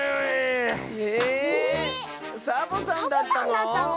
ええっサボさんだったの⁉